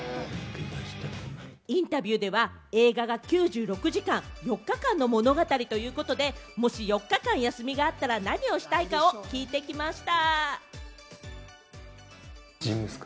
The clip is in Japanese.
インタビューでは映画が９６時間、４日間の物語ということで、もし４日間休みがあったら、何をしたいかを聞いてきました。